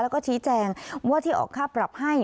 แล้วก็ชี้แจงว่าที่ออกค่าปรับให้